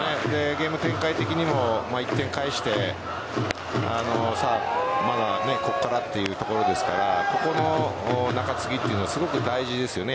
ゲーム展開的にも１点返してまだここからというところですからここの中継ぎがすごく大事ですよね